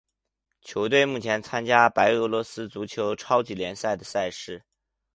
球队目前参加白俄罗斯足球超级联赛的赛事。